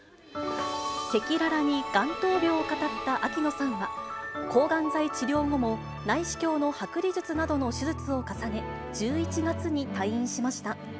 赤裸々にがん闘病を語った秋野さんは、抗がん剤治療後も、内視鏡の剥離術などの手術を重ね、１１月に退院しました。